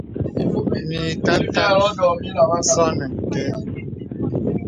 Mə ìkâ kak ǹzɔ̄ nə kɛ̂.